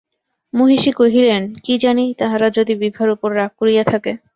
মহিষী কহিলেন, কী জানি তাহারা যদি বিভার উপর রাগ করিয়া থাকে।